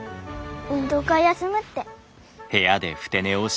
運動会休むって。